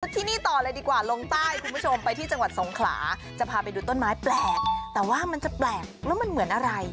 ที่นี่ต่อเลยดีกว่าลงใต้คุณผู้ชมไปที่จังหวัดสงขลาจะพาไปดูต้นไม้แปลกแต่ว่ามันจะแปลกแล้วมันเหมือนอะไร